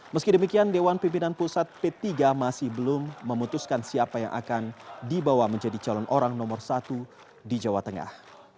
meski demikian dewan pimpinan pusat p tiga masih belum memutuskan siapa yang akan dibawa menjadi calon orang nomor satu di jawa tengah